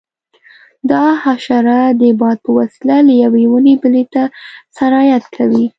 دا حشره د باد په وسیله له یوې ونې بلې ته سرایت کوي.